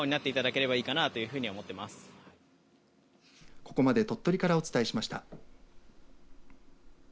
ここまで鳥取からお伝えしました。